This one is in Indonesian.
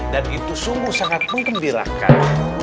dan itu sungguh sangat menggendilakan